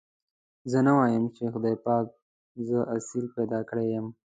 زه نه وايم چې خدای پاک زه اصيل پيدا کړي يم.